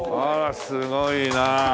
すごいな。